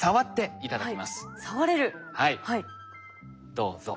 どうぞ。